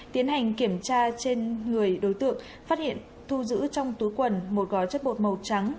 tiến hành kiểm tra trên người đối tượng phát hiện thu giữ trong túi quần một gói chất bột màu trắng